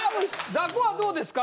ザコはどうですか？